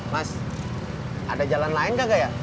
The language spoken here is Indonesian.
mas ada jalan lain nggak ya